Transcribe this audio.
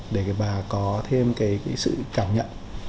để bà có thêm cái sự cảm nhận